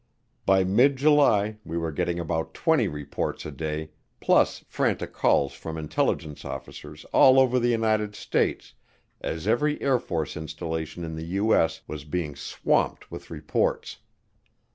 By mid July we were getting about twenty reports a day plus frantic calls from intelligence officers all over the United States as every Air Force installation in the U.S. was being swamped with reports.